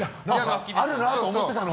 あるなと思ってたの。